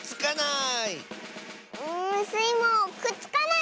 んスイもくっつかない！